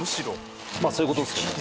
まあそういう事ですね。